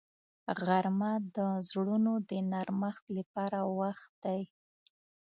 غرمه د زړونو د نرمښت لپاره وخت دی